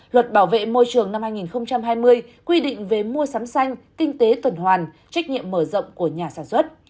luật bảo vệ môi trường năm hai nghìn hai mươi quy định về mua sắm xanh kinh tế tuần hoàn trách nhiệm mở rộng của nhà sản xuất